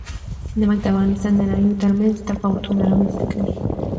نمک د افغانستان د ناحیو ترمنځ تفاوتونه رامنځ ته کوي.